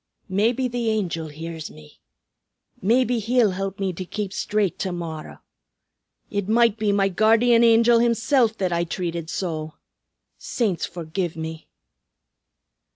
"Maybe the Angel hears me. Maybe he'll help me to keep straight to morrow. It might be my Guardian Angel himsilf that I treated so! Saints forgive me!"